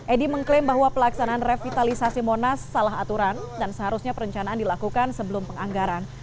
edi mengklaim bahwa pelaksanaan revitalisasi monas salah aturan dan seharusnya perencanaan dilakukan sebelum penganggaran